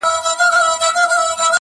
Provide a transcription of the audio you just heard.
اوس به مي ستا پر کوڅه سمه جنازه تېرېږي!